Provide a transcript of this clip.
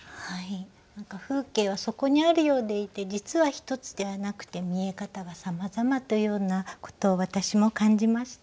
風景はそこにあるようでいて実は一つではなくて見え方がさまざまというようなことを私も感じました。